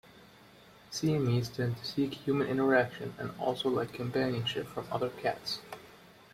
Siamese tend to seek human interaction and also like companionship from other cats.